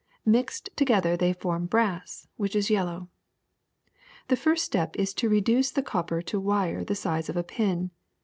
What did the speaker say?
Mixed together they form brass, which is yellow. ^^The first step is to reduce the copper to wire the size of a pin.